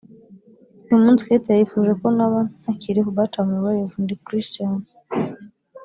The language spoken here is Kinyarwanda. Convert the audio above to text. uyu munsi Kethia yifuje ko naba ntakiriho but I'm alive ndi Christian